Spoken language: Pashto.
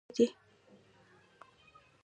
دوی د اقتصاد او ټولنې په اړه دي.